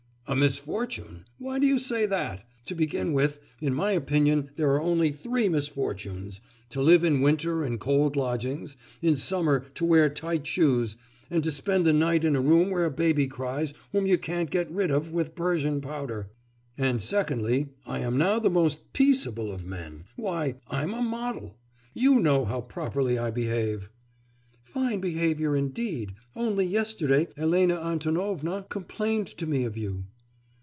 'A misfortune! Why do you say that? To begin with, in my opinion, there are only three misfortunes: to live in winter in cold lodgings, in summer to wear tight shoes, and to spend the night in a room where a baby cries whom you can't get rid of with Persian powder; and secondly, I am now the most peaceable of men. Why, I'm a model! You know how properly I behave!' 'Fine behaviour, indeed! Only yesterday Elena Antonovna complained to me of you.